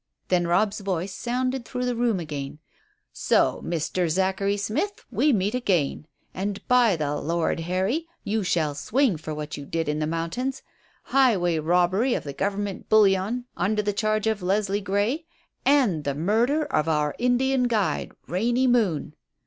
Then Robb's voice sounded through the room again. "So, Mr. Zachary Smith, we meet again. And, by the Lord Harry, you shall swing for what you did in the mountains! Highway robbery of the Government bullion under the charge of Leslie Grey, and the murder of our Indian guide, Rainy Moon."